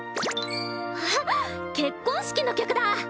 あっ結婚式の曲だ！